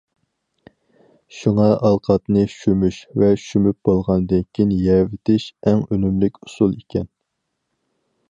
شۇڭا ئالقاتنى شۈمۈش ۋە شۈمۈپ بولغاندىن كېيىن يەۋېتىش ئەڭ ئۈنۈملۈك ئۇسۇل ئىكەن.